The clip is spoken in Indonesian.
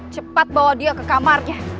cepat bawa dia ke kamarnya